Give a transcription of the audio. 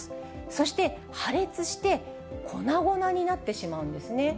そして、破裂して、粉々になってしまうんですね。